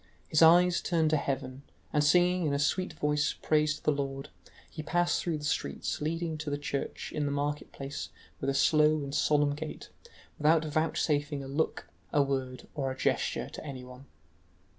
His eyes turned to heaven, and singing in a sweet voice praise to the Lord, he passed through the streets leading to the church in the market place with a slow and solemn gait, without vouchsafing a look, a word, or a gesture to anyone.